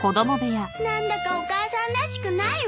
何だかお母さんらしくないわ。